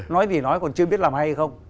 nói gì nói còn chưa biết làm hay không